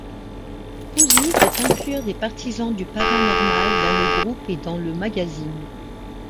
Truzzi veut inclure des partisans du paranormal dans le groupe et dans le magazine.